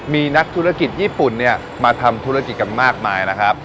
มีนักธุรกิจญี่ปุ่นเนี่ยมาทำธุรกิจกันมากมายนะครับ